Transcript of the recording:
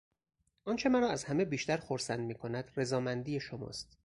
آنچه مرا از همه بیشتر خرسند میکند رضامندی شماست.